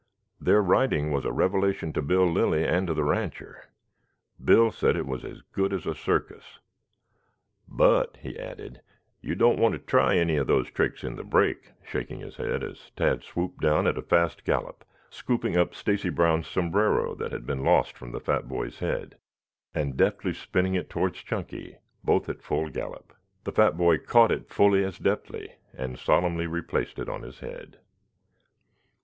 Their riding was a revelation to Bill Lilly and to the rancher. Bill said it was as good as a circus. "But," he added, "you don't want to try any of those tricks in the brake," shaking his head as Tad swooped down at a fast gallop, scooping up Stacy Brown's sombrero that had been lost from the fat boy's head, and deftly spinning it towards Chunky, both at full gallop. The fat boy caught it fully as deftly, and solemnly replaced it on his head.